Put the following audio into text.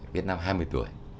viết năm hai mươi tuổi